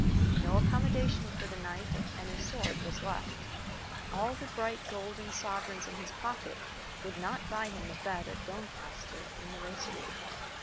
No accommodation for the night of any sort was left. All the bright golden sovereigns in his pocket would not buy him a bed at Doncaster in the race week.